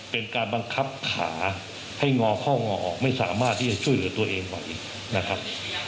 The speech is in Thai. เป็นการบังคับขาให้งอเข้างอออกไม่สามารถที่จะช่วยเหลือตัวเองไหวนะครับ